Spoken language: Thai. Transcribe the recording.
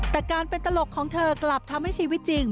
แต่การเป็นตลกของเธอกลับทำให้ชีวิตจริง